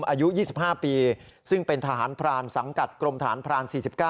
อายุ๒๕ปีซึ่งเป็นทหารพรานสังกัดกรมฐานพราน๔๙